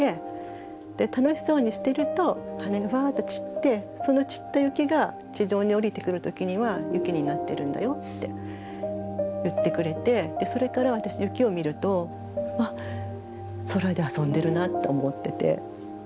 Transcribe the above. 楽しそうにしてると羽がふわって散ってその散った雪が地上に降りてくるときには雪になってるんだよって言ってくれてそれから私雪を見るとあっ空で遊んでるなと思ってて。